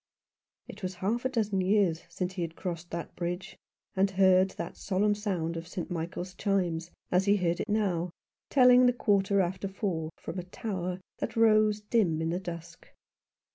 It was half a dozen years since he had crossed the bridge, and heard that solemn sound of St. Michael's chimes, as he heard it now, telling the quarter after four from a tower that rose dim in the dusk.